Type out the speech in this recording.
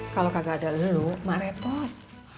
kalau enggak ada elu mak repot